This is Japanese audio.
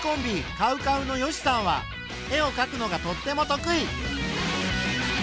ＣＯＷＣＯＷの善しさんは絵をかくのがとっても得意。